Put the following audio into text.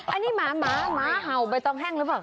อันนี้หมาเห่าไปต้องแห้งหรือเปล่าค่ะ